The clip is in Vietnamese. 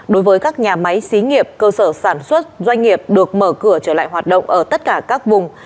đối với các nhà máy xí nghiệp cơ sở sản xuất doanh nghiệp được mở cửa trở lại hoạt động ở tất cả các vùng